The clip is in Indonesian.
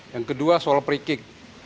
yang kedua soal perikik